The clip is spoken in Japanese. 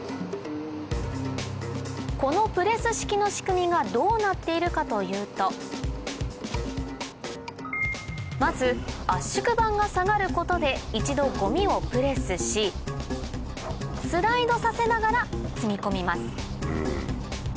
このプレス式の仕組みがどうなっているかというとまず圧縮板が下がることで一度ごみをプレスしスライドさせながら積み込みます